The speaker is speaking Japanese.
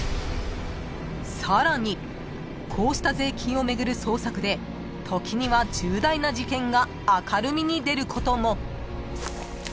［さらにこうした税金を巡る捜索で時には重大な事件が明るみに出ることも］